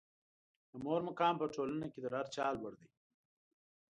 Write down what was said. د مور مقام په ټولنه کې تر هر چا لوړ دی.